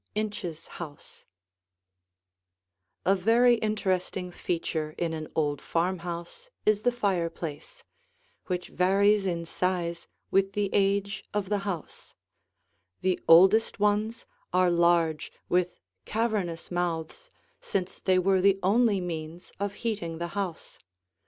INCHES HOUSE A very interesting feature in an old farmhouse is the fireplace, which varies in size with the age of the house; the oldest ones are large, with cavernous mouths, since they were the only means of heating the house.